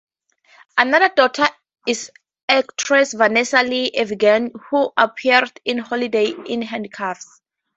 Another daughter is actress Vanessa Lee Evigan, who appeared in "Holiday in Handcuffs".